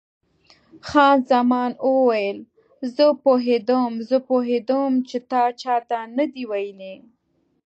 خان زمان وویل: زه پوهېدم، زه پوهېدم چې تا چا ته نه دي ویلي.